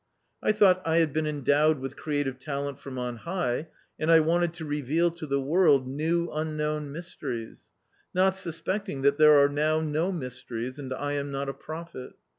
I thought that I had been endowed with creative talent from on high, and I wanted to reveal to the world new unknown mysteries, not suspecting that there are now no mysteries, and I am not a prophet.